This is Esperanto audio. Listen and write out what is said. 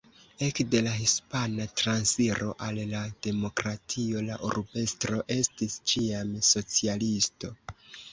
Ekde la Hispana Transiro al la demokratio la urbestro estis ĉiam socialisto.